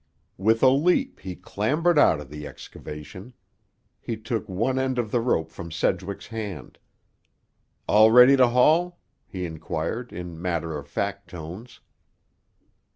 With a leap he clambered out of the excavation. He took one end of the rope from Sedgwick's hand. "All ready to haul?" he inquired in matter of fact tones.